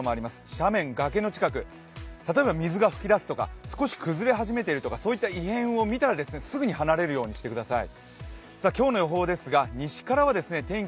斜面、崖の近く、例えば水が噴き出すとか、少し崩れ始めているなどそういった異変を見たら、すぐに離れるようにしてください。